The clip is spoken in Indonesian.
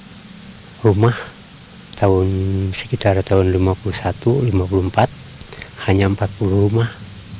jadi di kampung cikondang itu rumah sekitar tahun seribu sembilan ratus lima puluh satu seribu sembilan ratus lima puluh empat hanya empat puluh rumah